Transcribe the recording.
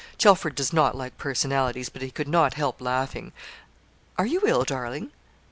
Chelford does not like personalities, but he could not help laughing. Are you ill, darling?'